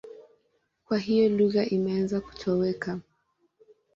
Kwa hiyo lugha imeanza kutoweka.